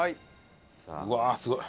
うわあすごい。